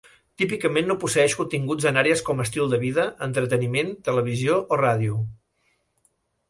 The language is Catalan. Típicament no posseeix continguts en àrees com estil de vida, entreteniment, televisió o ràdio.